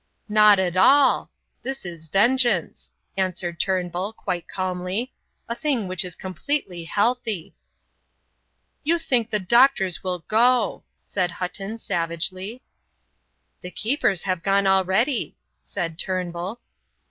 "Not at all this is vengeance," answered Turnbull, quite calmly; "a thing which is completely healthy." "You think the doctors will go," said Hutton, savagely. "The keepers have gone already," said Turnbull.